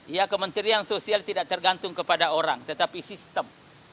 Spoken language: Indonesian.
ya kementerian sosial tidak tergantung kepada orang tetapi sistem